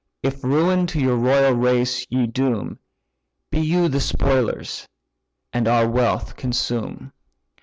If ruin to your royal race ye doom, Be you the spoilers, and our wealth consume.